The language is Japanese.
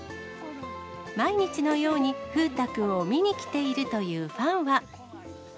毎日のように風太くんを見に来ているというファンは。